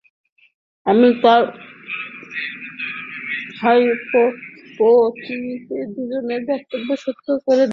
আমি আমার হাইপোথিসিসে দুজনের বক্তব্যই সত্য ধরে নিচ্ছি।